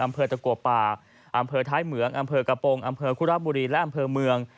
ตะกัวป่าอำเภอท้ายเหมืองอำเภอกระโปรงอำเภอคุระบุรีและอำเภอเมือง